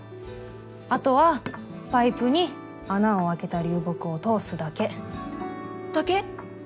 あとはパイプに穴を開けた流木を通すだけ。だけ？